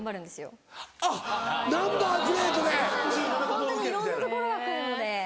ホントにいろんなところが来るので。